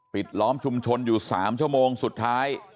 ล้อมชุมชนอยู่๓ชั่วโมงสุดท้าย